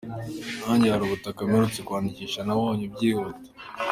Nanjye hari ubutaka mperutse kwandikisha nabonye byihuta.